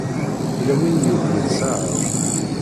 Yella win i yukren ssaɛa-w.